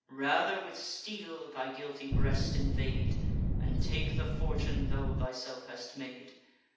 Rather with steel thy guilty breast invade, And take the fortune thou thyself hast made.